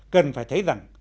cần phải thấy rằng